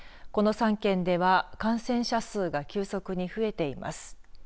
この３県では感染者数が急速に増えています。